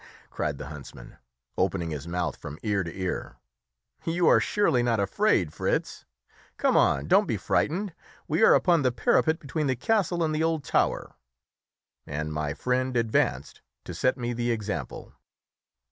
cried the huntsman, opening his mouth from ear to ear, "you are surely not afraid, Fritz? Come on; don't be frightened! We are upon the parapet between the castle and the old tower." And my friend advanced to set me the example.